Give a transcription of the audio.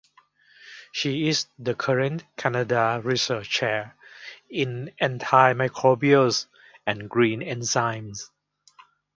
She is the current Canada Research Chair in Antimicrobials and Green Enzymes.